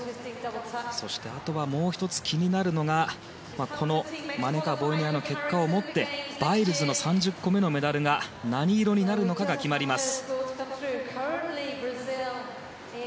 そして、あとはもう１つ気になるのがマネカ・ボイネアの結果をもってバイルズの３０個目のメダルが何色になるのかが決まります。